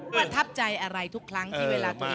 ประทับใจอะไรทุกครั้งที่เวลาตัวเอง